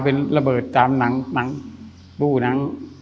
เป็นระเบิดตามหนังบู้หนัง